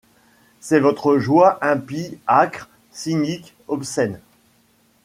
C’est votre joie impie, âcre, cynique, obscène ;